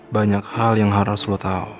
banyak hal yang harus lo tahu